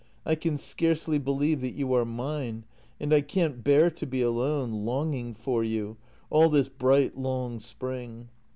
I can scarcely believe that you are mine, and I can't bear to be alone, longing for you, all this bright, long spring.